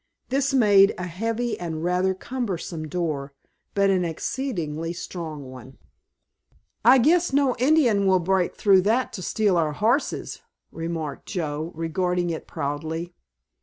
This made a heavy and rather cumbersome door, but an exceedingly strong one. "I guess no Indian will break through that to steal our horses," remarked Joe, regarding it proudly.